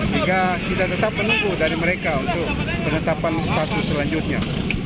sehingga kita tetap menunggu dari mereka untuk penetapan status selanjutnya